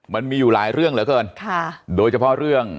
มันมีอยู่หลายเรื่องเหลือเกินค่ะโดยเฉพาะเรื่อง